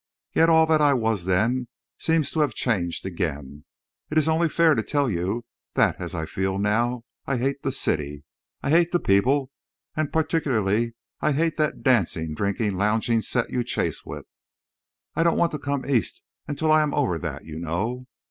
Yet all that I was then seems to have changed again. It is only fair to you to tell you that, as I feel now, I hate the city, I hate people, and particularly I hate that dancing, drinking, lounging set you chase with. I don't want to come East until I am over that, you know...